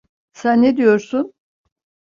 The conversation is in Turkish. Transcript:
Sen ne diyorsun?